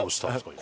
今。